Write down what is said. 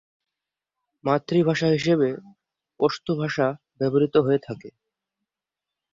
মাতৃভাষা হিসেবে পশতু ভাষা ব্যবহৃত হয়ে থাকে।